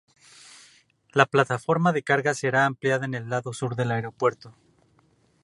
La plataforma de carga será ampliada en el lado sur del aeropuerto.